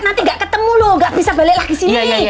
nanti gak ketemu lho gak bisa balik lagi sini